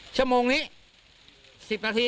ชั่วโมงนี้๑๐นาที